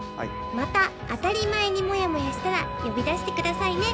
また当たり前にもやもやしたら呼び出してくださいね。